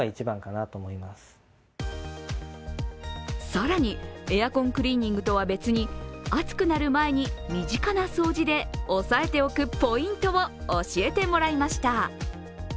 更に、エアコンクリーニングとは別に暑くなる前に身近な掃除で押さえておくポイントを教えてもらいました。